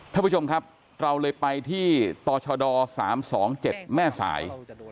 ท่านผู้ชมครับเราเลยไปที่ต่อชะดอสามสองเจ็ดแม่สาย